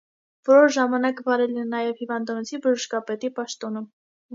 Որոշ ժամանակ վարել է նաև հիվանդանոցի բժշկապետի պաշտոնը։